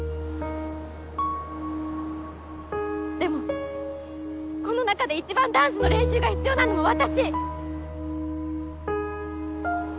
でもこの中で一番ダンスの練習が必要なのも私。